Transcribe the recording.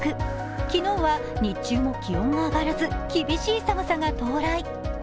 昨日は日中も気温が上がらず厳しい寒さが到来。